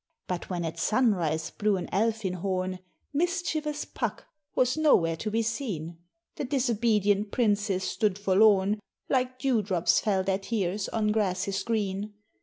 But when at sunrise blew an elfin horn, Mischievous Puck was nowhere to be seen, The disobedient princes stood forlorn; Like dew drops fell their tears on grasses green.